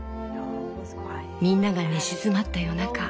みんなが寝静まった夜中。